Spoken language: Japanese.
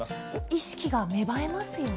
意識が芽生えますよね。